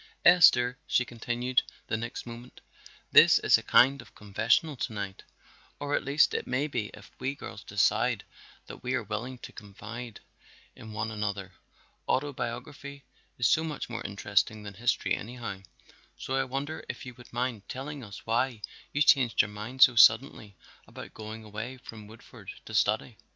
"Esther," she continued the next moment, "this is a kind of confessional to night, or at least it may be if we girls decide that we are willing to confide in one another (autobiography is so much more interesting than history anyhow), so I wonder if you would mind telling us why you changed your mind so suddenly about going away from Woodford to study.